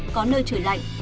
có nơi trở lạnh